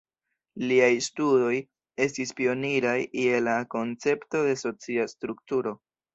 Liaj studoj estis pioniraj je la koncepto de socia strukturo.